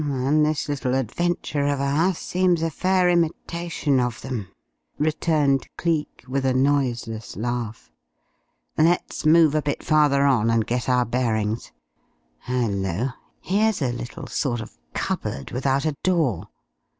"And this little adventure of ours seems a fair imitation of them!" returned Cleek, with a noiseless laugh. "Let's move a bit farther on and get our bearings. Hello! here's a little sort of cupboard without a door.